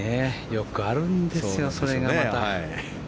よくあるんですよ、それがまた。